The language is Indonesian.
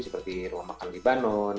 seperti rumah makan libanon